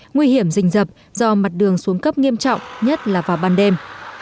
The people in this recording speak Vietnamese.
nguy hiểm rình rập do mặt đường xuống cấp nghiêm trọng nhất là vào ban đêm